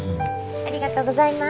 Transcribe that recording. ありがとうございます。